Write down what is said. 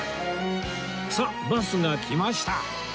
さあバスが来ました